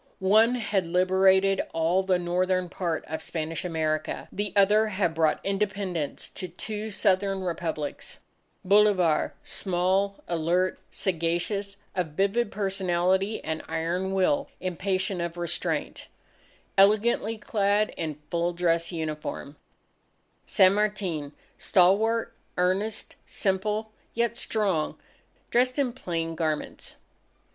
One had liberated all the northern part of Spanish America, the other had brought Independence to two southern Republics: Bolivar small, alert, sagacious, of vivid personality and iron will impatient of restraint, elegantly clad in full dress uniform; San Martin, stalwart, earnest, simple, yet strong, dressed in plain garments.